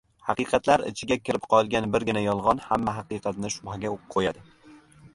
Haqiqatlar ichiga kirib qolgan birgina yolg‘on hamma haqiqatni shubhaga qo‘yadi.